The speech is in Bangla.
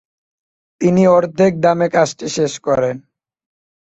তিনি অর্ধেক দামে কাজটি শেষ করেন।